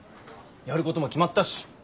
やることも決まったし。